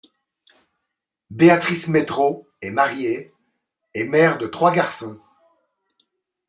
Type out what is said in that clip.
Béatrice Métraux est mariée et mère de trois garçons.